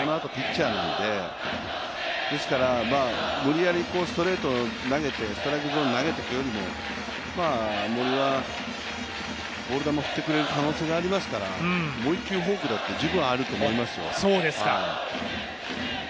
そのあと、ピッチャーなので、無理やりストレート投げて、ストライクゾーンに投げてくよりも森はボール球を振ってくれる可能性がありますからもう１球フォークだって十分あると思いますよ。